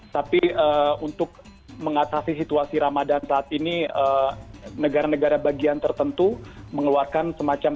tapi untuk mengatasi situasi ramadan saat ini negara negara bagian tertentu mengeluarkan semacam